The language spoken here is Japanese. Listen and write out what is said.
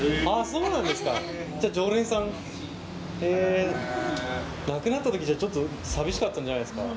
そうなんですかじゃ常連さんへえなくなった時じゃちょっと寂しかったんじゃないすか？